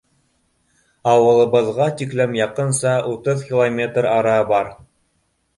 Ауылыбыҙға тиклем яҡынса утыҙ километр ара бар.